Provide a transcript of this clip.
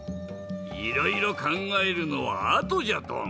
いろいろかんがえるのはあとじゃドン。